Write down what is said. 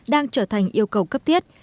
đang trở thành yêu cầu cấp tiết